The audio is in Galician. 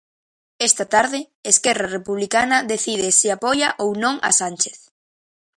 Esta tarde, Esquerra Republicana decide se apoia ou non a Sánchez.